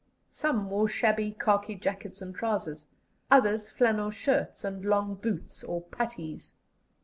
Some wore shabby khaki jackets and trousers, others flannel shirts and long boots or putties.